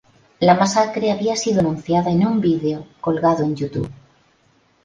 La masacre había sido anunciada en un vídeo colgado en YouTube.